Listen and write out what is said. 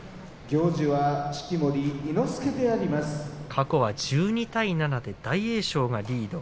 過去は１２対７で大栄翔がリード。